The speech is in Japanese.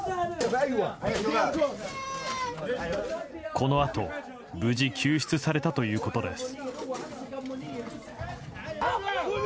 このあと無事、救出されたということです。